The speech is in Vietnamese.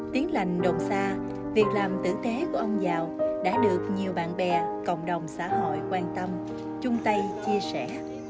tiến lành đồn xa việc làm tử tế của ông giào đã được nhiều bạn bè cộng đồng xã hội quan tâm chung tay chia sẻ